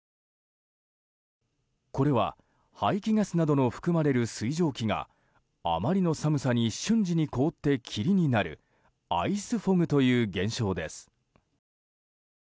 これは、排気ガスなどの含まれる水蒸気があまりの寒さに瞬時に凍って霧になるアイスフォグという現象です。